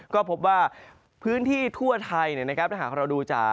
ก็พบว่าพื้นที่ทั่วไทยถ้าหากเราดูจาก